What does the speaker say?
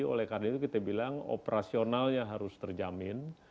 oleh karena itu kita bilang operasionalnya harus terjamin